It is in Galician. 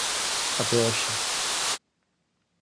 Até hoxe.